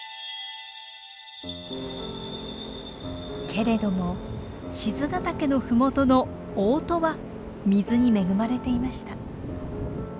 けれども賤ヶ岳の麓の大音は水に恵まれていました。